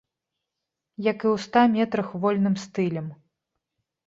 Як і ў ста метрах вольным стылем.